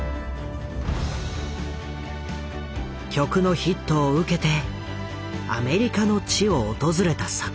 曲のヒットを受けてアメリカの地を訪れた坂本。